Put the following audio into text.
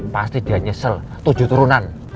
pasti dia nyesel tujuh turunan